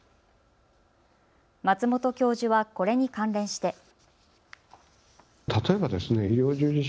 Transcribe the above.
松本教授はこれに関連して。